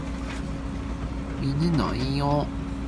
曉得妹子死掉的緣故，也全在他。